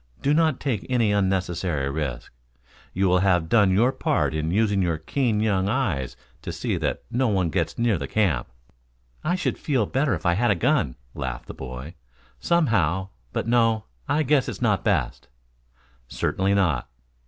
Do not take any unnecessary risk. You will have done your part in using your keen young eyes to see that no one gets near the camp." "I should feel better if I had a gun," laughed the boy. "Somehow but no, I guess it is not best." "Certainly not."